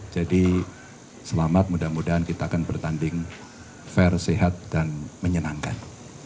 jadi selamat mudah mudahan kita akan bertanding fair sehat dan menyenangkan